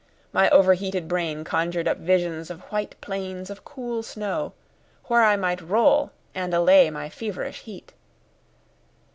My overheated brain conjured up visions of white plains of cool snow, where I might roll and allay my feverish heat.